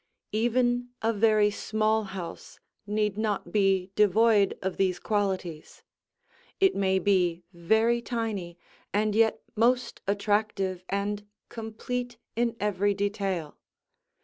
Even a very small house need not be devoid of these qualities. It may be very tiny and yet most attractive and complete in every detail.